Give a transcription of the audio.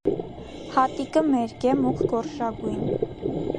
Հատիկը մերկ է, մուգ գորշագույն։